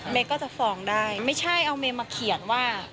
ก็จะฟองได้ไม่ใช่เอาเมย์มาเขียนว่า